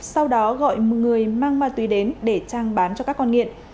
sau đó gọi người mang ma túy đến để trang bán cho các con nghiện